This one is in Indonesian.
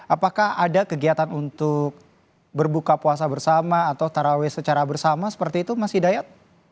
apakah ada kegiatan untuk berbuka puasa bersama atau taraweh secara bersama seperti itu mas hidayat